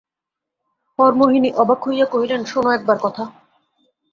হরিমোহিনী অবাক হইয়া কহিলেন, শোনো একবার কথা!